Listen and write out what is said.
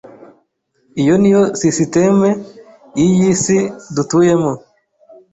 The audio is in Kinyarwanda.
Iyo niyo sisiteme y’ iyi isi dutuyemo